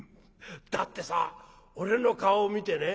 だってさ俺の顔見てね